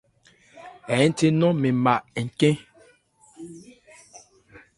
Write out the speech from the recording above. Hɛ hɛ́nthé nɔn mɛn ma ncɛ́n.